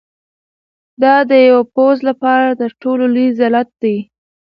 دا د یو پوځ لپاره تر ټولو لوی ذلت دی.